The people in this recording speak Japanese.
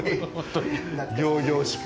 仰々しく。